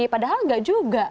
padahal nggak juga